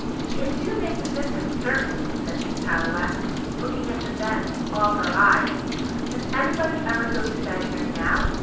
"It do make a difference, certainly," said Miss Tallowax, looking at the bed with all her eyes. "Does anybody ever go to bed here now?"